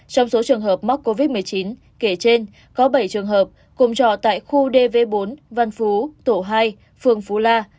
trong số trường hợp mắc covid một mươi chín kể trên có bảy trường hợp cùng trọ tại khu dv bốn văn phú tổ hai phường phú la